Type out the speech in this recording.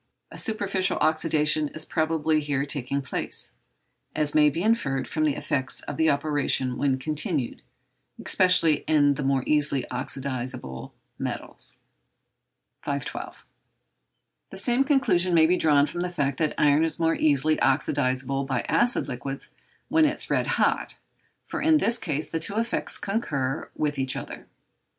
A superficial oxydation is probably here taking place, as may be inferred from the effects of the operation when continued, especially in the more easily oxydizable metals. 512. The same conclusion may be drawn from the fact that iron is more easily oxydizable by acid liquids when it is red hot, for in this case the two effects concur with each other.